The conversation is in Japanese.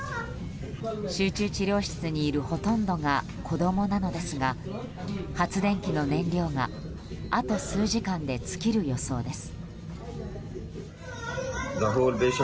集中治療室にいるほとんどが子供なのですが発電機の燃料があと数時間で尽きる予想です。